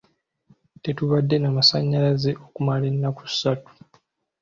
Tetubadde na masannyalaze okumala ennaku ssatu.